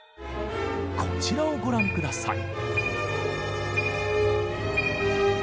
こちらをご覧ください。